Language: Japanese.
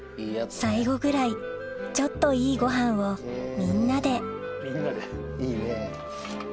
最後ぐらいちょっといいごはんをみんなでいいね。